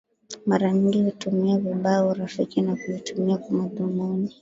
mara nyingi hutumia vibaya urafiki na kuitumia kwa madhumuni